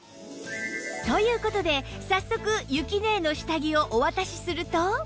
という事で早速ゆきねえの下着をお渡しすると